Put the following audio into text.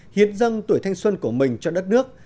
hiến dâng tuổi thanh xuân của mình cho đất nước